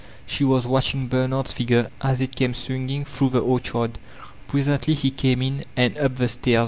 She was watching Bernard's figure as it came swinging through tile orchard. Presently he came in and up the stain.